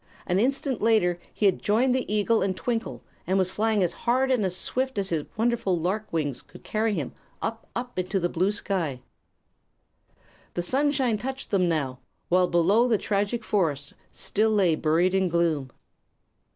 An instant later he had joined the eagle and Twinkle, and was flying as hard and swift as his wonderful lark wings could carry him up, up into the blue sky. The sunshine touched them now, while below the tragic forest still lay buried in gloom.